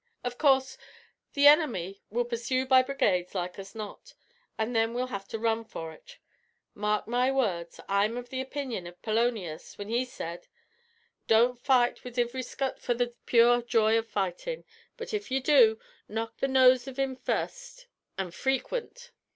Av course the enemy will pursue by brigades like as not, an' then we'll have to run for ut. Mark my words. I am av the opinion av Polonius, whin he said: 'Don't fight wid ivry scut for the pure joy av fightin'; but if you do, knock the nose av him first an' frequint!'